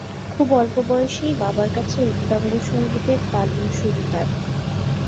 খুব অল্প বয়সেই বাবার কাছে উচ্চাঙ্গ সঙ্গীতের তালিম শুরু তার।